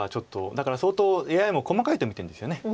だから相当ＡＩも細かいと見てるんですよね。